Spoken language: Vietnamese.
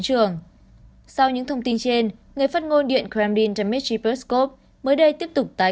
trường sau những thông tin trên người phát ngôn điện kremlin dmitry peskov mới đây tiếp tục tái